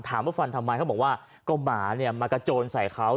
ฟันทำไมเขาบอกว่าก็หมาเนี่ยมากระโจนใส่เขา